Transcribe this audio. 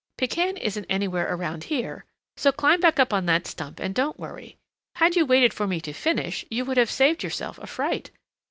"Pekan isn't anywhere around here, so climb back on that stump and don't worry. Had you waited for me to finish, you would have saved yourself a fright.